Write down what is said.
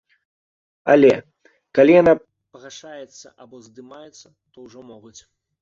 Але, калі яна пагашаецца або здымаецца, то ўжо могуць.